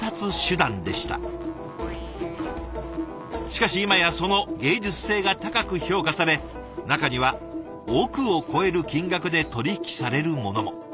しかし今やその芸術性が高く評価され中には億を超える金額で取り引きされるものも。